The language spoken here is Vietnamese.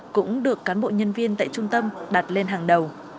cũng được cán bộ nhân viên tại trung tâm đặt lên hàng đầu